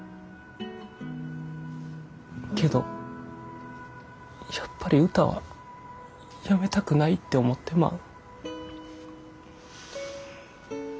けどやっぱり歌はやめたくないって思ってまう。